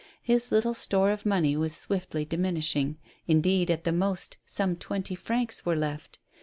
His little store of money Avas swiftly diminishing — indeed, at the most, some twenty francs were left.